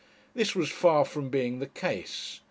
This was far from being the case.